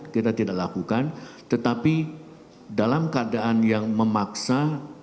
kita tidak lakukan tetapi dalam keadaan yang memaksa